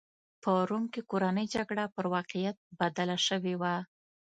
په روم کې کورنۍ جګړه پر واقعیت بدله شوې وه.